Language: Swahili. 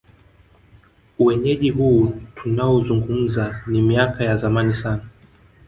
Uenyeji huu tunaouzungumza ni miaka ya zamani sana